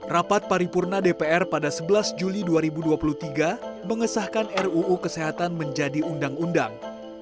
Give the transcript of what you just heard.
rapat paripurna dpr pada sebelas juli dua ribu dua puluh tiga mengesahkan ruu kesehatan menjadi undang undang